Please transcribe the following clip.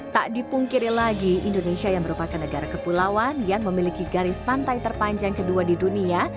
tak dipungkiri lagi indonesia yang merupakan negara kepulauan yang memiliki garis pantai terpanjang kedua di dunia